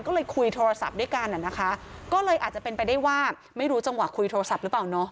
ก็เลยคุยโทรศัพท์ด้วยกันอ่ะนะคะก็เลยอาจจะเป็นไปได้ว่าไม่รู้จังหวะคุยโทรศัพท์หรือเปล่าเนาะ